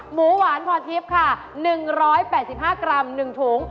หมูหวานพรทิพย์ค่ะ๑๘๕กรัม๑ถุง